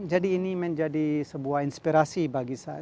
jadi ini menjadi sebuah inspirasi bagi saya